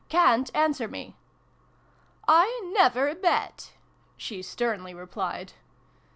" ca'n't answer me !"" I never bet," she sternly replied.